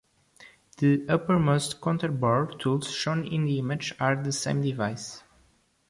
The uppermost counterbore tools shown in the image are the same device.